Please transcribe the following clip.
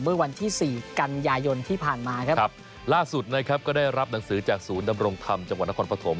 เมื่อวันที่สี่กันยายนที่ผ่านมาครับครับล่าสุดนะครับก็ได้รับหนังสือจากศูนย์ดำรงธรรมจังหวัดนครปฐม